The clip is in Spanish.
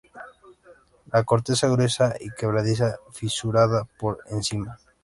La corteza gruesa y quebradiza, fisurada por encima.